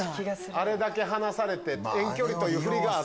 あれだけ離されて遠距離というふりがあって。